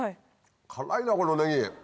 辛いなこのネギ。